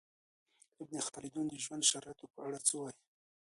ابن خلدون د ژوند د شرایطو په اړه څه وايي؟